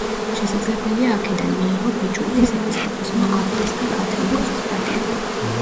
შესაძლებელია აქედან მიიღო ბიჭვინთის ეპისკოპოსმა აფხაზთა კათალიკოსის პატივი.